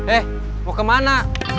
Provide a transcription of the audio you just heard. eh mau kemana